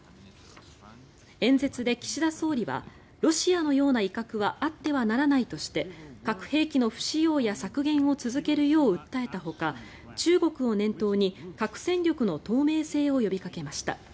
演説で岸田総理はロシアのような威嚇はあってはならないとして核兵器の不使用や削減を続けるよう訴えたほか中国を念頭に核戦力の透明性を呼びかけました。